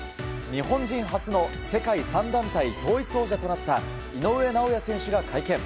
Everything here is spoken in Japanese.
日本人初の世界３団体統一王者となった井上尚弥選手が会見。